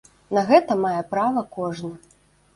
На гэта мае права кожны.